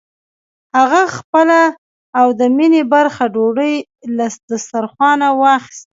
هغه خپله او د مينې برخه ډوډۍ له دسترخوانه واخيسته.